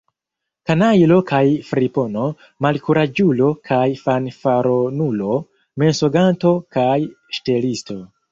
Kanajlo kaj fripono, malkuraĝulo kaj fanfaronulo, mensoganto kaj ŝtelisto!